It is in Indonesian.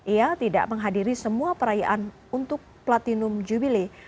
ia tidak menghadiri semua perayaan untuk platinum jubilly